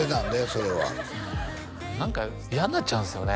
それはうん何か嫌になっちゃうんですよね